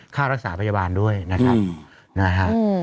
ค่ารักษาพยาบาลด้วยนะครับนะฮะ